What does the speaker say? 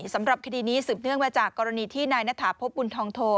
สำหรับคดีนี้สืบเนื่องมาจากกรณีที่นายณฐาพบบุญทองโท